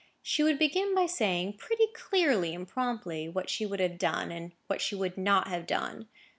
She would begin by saying, pretty clearly and promptly, what she would have done, and what she would not have done.